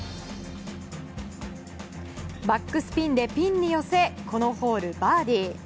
バックスピンでピンに寄せこのホール、バーディー。